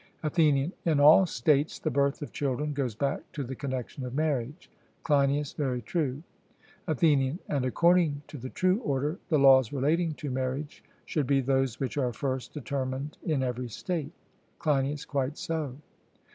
ATHENIAN: In all states the birth of children goes back to the connexion of marriage? CLEINIAS: Very true. ATHENIAN: And, according to the true order, the laws relating to marriage should be those which are first determined in every state? CLEINIAS: Quite so.